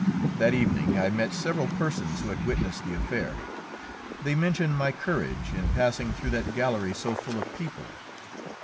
That evening I met several persons who had witnessed the affair. They mentioned my courage in passing through that gallery so full of people.